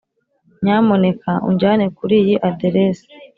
nyamuneka unjyane kuriyi aderesi.